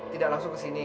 tidak langsung ke sini